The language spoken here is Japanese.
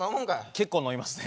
結構飲みますね。